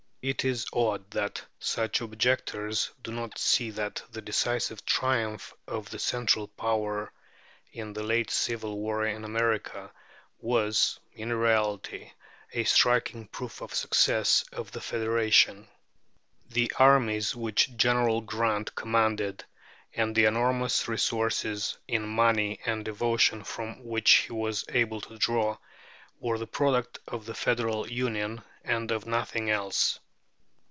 It is odd that such objectors do not see that the decisive triumph of the central power in the late civil war in America was, in reality, a striking proof of the success of the federation. The armies which General Grant commanded, and the enormous resources in money and devotion from which he was able to draw, were the product of the Federal Union and of nothing else.